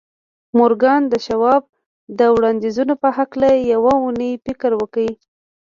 مورګان د شواب د وړاندیزونو په هکله یوه اونۍ فکر وکړ